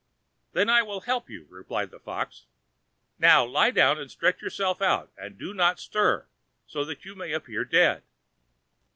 "Then I will help you," replied the fox; "now lie down and stretch yourself out, and do not stir, so that you may appear dead."